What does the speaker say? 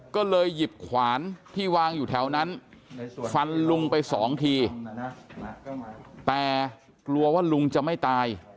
ก็เลยหยิบขวานที่วางอยู่แถวนั้นฟันลุงไปสองทีแต่กลัวว่าลุงจะไม่ตาย